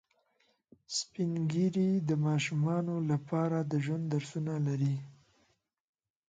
سپین ږیری د ماشومانو لپاره د ژوند درسونه لري